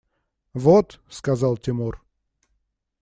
– Вот! – сказал Тимур.